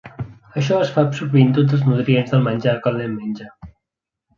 Això es fa absorbint tots els nutrients del menjar que el nen menja.